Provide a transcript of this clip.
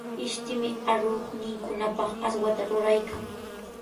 Ishtimi aruqninkunapaq aswata ruraykan.